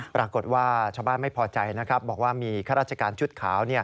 ปรากฏว่าชาวบ้านไม่พอใจนะครับบอกว่ามีข้าราชการชุดขาว